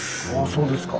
そうですか。